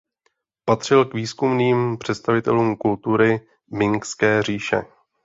Patřil k významným představitelům kultury mingské říše.